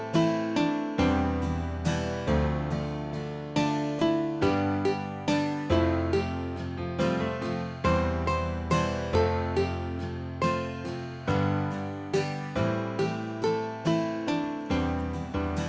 spann activity kita lebih lanjut